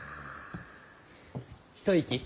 一息？